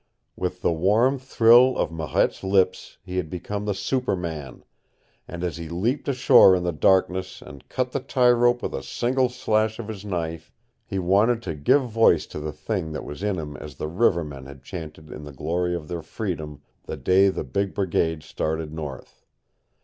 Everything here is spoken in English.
With the warm thrill of Marette's lips he had become the superman, and as he leaped ashore in the darkness and cut the tie rope with a single slash of his knife, he wanted to give voice to the thing that was in him as the rivermen had chanted in the glory of their freedom the day the big brigade started north.